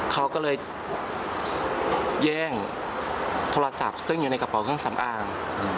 เขาก็เลยแย่งโทรศัพท์ซึ่งอยู่ในกระเป๋าเครื่องสำอาง